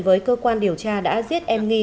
với cơ quan điều tra đã giết em nghi